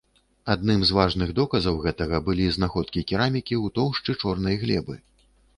Адным з важных доказаў гэтага былі знаходкі керамікі ў тоўшчы чорнай глебы.